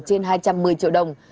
trên hai trăm một mươi triệu đồng